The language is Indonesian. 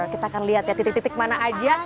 kita akan lihat ya titik titik mana aja